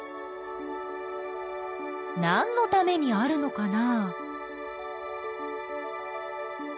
なんのためにあるのかな？